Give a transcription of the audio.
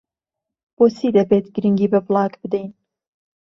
بۆچی دەبێت گرنگی بە بڵاگ بدەین؟